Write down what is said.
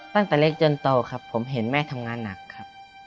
ตั้งแต่เล็กจนโตครับผมเห็นแม่ทำงานหนักครับ